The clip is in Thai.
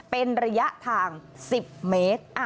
เป็นระยะทาง๑๐เมตร